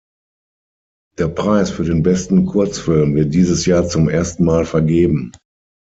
Der Preis für den „Besten Kurzfilm“ wird dieses Jahr zum ersten Mal vergeben.